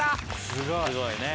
すごいね。